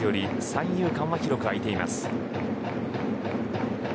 三遊間は広く空いています。